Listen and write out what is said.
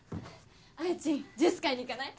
文ちんジュース買いに行かない？